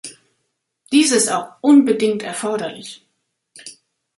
Dies ist auch unbedingt erforderlich.